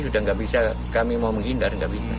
sudah nggak bisa kami mau menghindar